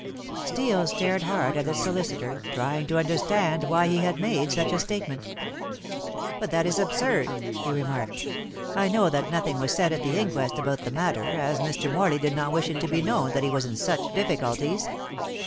Steel stared hard at the solicitor, trying to understand why he had made such a statement. "But that is absurd," he remarked. "I know that nothing was said at the inquest about the matter, as Mr. Morley did not wish it to be known that he was in such difficulties.